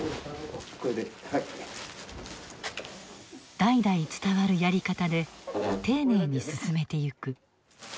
代々伝わるやり方で丁寧に進めてゆく。